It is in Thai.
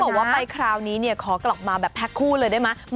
เขาบอกว่าไปคราวนี้ขอกลับมาแพ็คคู่เลยได้ไหม